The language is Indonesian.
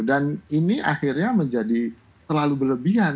dan ini akhirnya menjadi selalu berlebihan